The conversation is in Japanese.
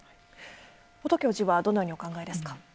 音教授はどのようにお考えですか？